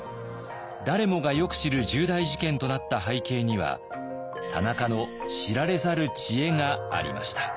誰もがよく知る重大事件となった背景には田中の知られざる知恵がありました。